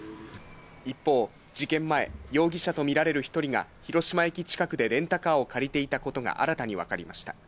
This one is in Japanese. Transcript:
一方、事件前、容疑者と見られる１人が、広島駅近くでレンタカーを借りていたことが、新たに分かりました。